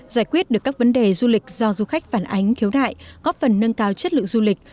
giải quyết được các vấn đề du lịch do du khách phản ánh khiếu đại góp phần nâng cao chất lượng du lịch